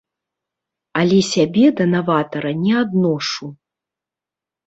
Але сябе да наватара не адношу.